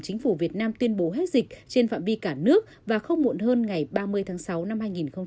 chính phủ việt nam tuyên bố hết dịch trên phạm vi cả nước và không muộn hơn ngày ba mươi tháng sáu năm hai nghìn hai mươi